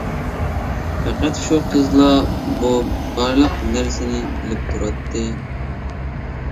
پەقەت شۇ قىزلا بۇ بارلىق نەرسىنى بىلىپ تۇراتتى.